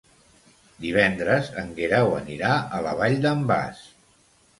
Divendres en Guerau anirà a la Vall d'en Bas.